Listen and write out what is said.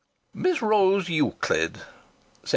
"Miss Rose Euclid," said Mr..